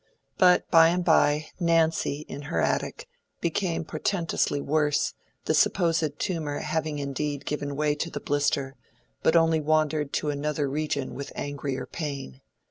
But by and by Nancy, in her attic, became portentously worse, the supposed tumor having indeed given way to the blister, but only wandered to another region with angrier pain.